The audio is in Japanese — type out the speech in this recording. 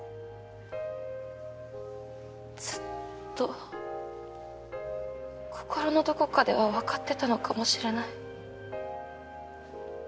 ずっと心のどこかではわかってたのかもしれない。